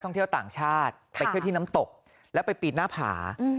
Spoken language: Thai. เที่ยวต่างชาติไปเที่ยวที่น้ำตกแล้วไปปีนหน้าผา